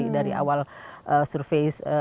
dari awal survei